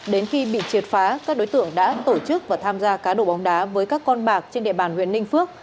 đến khi bị triệt phá các đối tượng đã tổ chức và tham gia cá độ bóng đá với các con bạc trên địa bàn huyện ninh phước